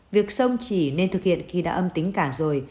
việc xong chỉ nên thực hiện khi đã âm tính cả rồi